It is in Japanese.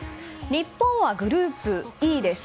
日本はグループＥです。